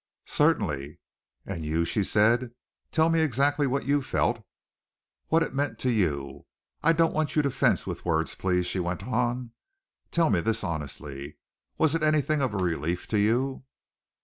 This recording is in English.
"Certainly." "And you?" she said. "Tell me exactly what you felt, what it meant to you? I don't want you to fence with words, please," she went on. "Tell me this honestly. Was it anything of a relief to you?"